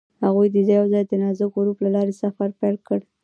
هغوی یوځای د نازک غروب له لارې سفر پیل کړ.